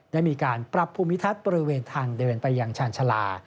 ได้มีการปรับภูมิทัศน์บริเวณทางเดินไปยังชาญชาลา